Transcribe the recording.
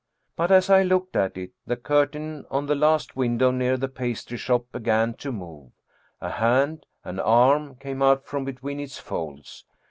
But as I looked at it, the curtain on the last window near the pastry shop began to move. A hand, an arm, came out from between its folds.